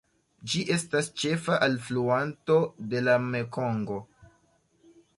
Ĝi estas ĉefa alfluanto de la Mekongo.